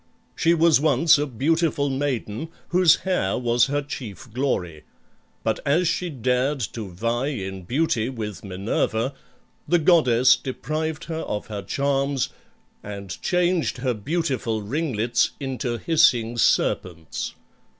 She was once a beautiful maiden whose hair was her chief glory, but as she dared to vie in beauty with Minerva, the goddess deprived her of her charms and changed her beautiful ringlets into hissing serpents.